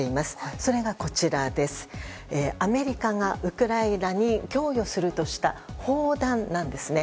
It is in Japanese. それが、アメリカがウクライナに供与するとした砲弾なんですね。